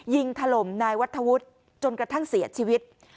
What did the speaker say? ถล่มนายวัฒวุฒิจนกระทั่งเสียชีวิต